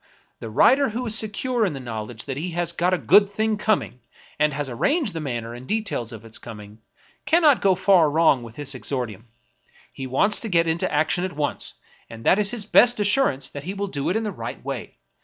The wTiter who is secure in the knowledge that he has got a good thing coming, and has arranged the manner and de tails of its coming, cannot go far wrong with his exordium ; he wants to get into action at once, and that is his best assurance that he will do it in the right way.